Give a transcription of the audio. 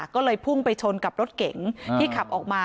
ก็เลยพุ่งไปชนกับรถเก๋งที่ขับออกมา